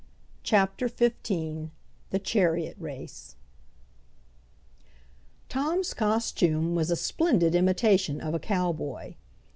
CHAPTER XV THE CHARIOT RACE Tom's costume was a splendid imitation of a cowboy.